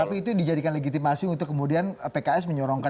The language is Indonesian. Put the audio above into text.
tapi itu yang dijadikan legitimasi untuk kemudian pks menyorongkan